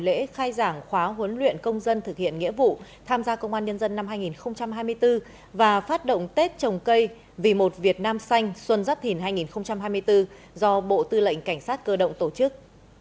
hồ chí minh đã đến dự chỉ đạo lễ khai giảng khóa huấn luyện công dân thực hiện nghĩa vụ tham gia công an nhân dân năm hai nghìn hai mươi bốn và phát động tết trồng cây vì một việt nam xanh xuân dắt hình hai nghìn hai mươi bốn do bộ tư lệnh cảnh sát cơ động tổ chức